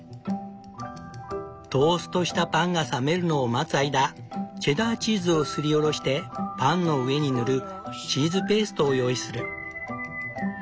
トーストしたパンが冷めるのを待つ間チェダーチーズをすりおろしてパンの上に塗るチーズペーストを用意する。